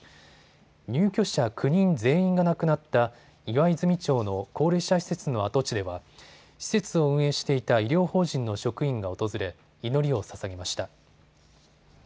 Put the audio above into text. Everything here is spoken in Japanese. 入居者９人全員が亡くなった岩泉町の高齢者施設の跡地では施設を運営していた医療法人の職員が訪れ祈りをささげました。